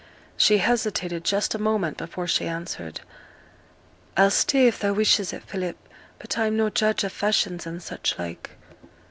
She hesitated just a moment before she answered, 'I'll stay, if thou wishes it, Philip. But I'm no judge o' fashions and such like.'